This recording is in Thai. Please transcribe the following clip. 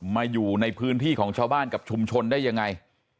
มาอยู่ในพื้นที่ของชาวบ้านกับชุมชนได้ยังไง